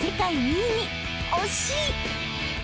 ［惜しい！］